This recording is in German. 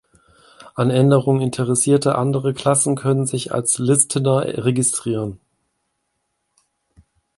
An Änderungen interessierte andere Klassen können sich als Listener registrieren.